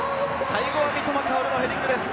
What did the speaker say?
最後は三笘薫のヘディングです。